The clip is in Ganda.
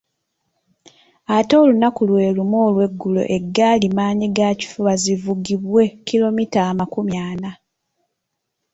Ate olunaku lwe lumu olw’eggulo eggaali maanyigakifuba zivugibwe kilomita amakumi ana.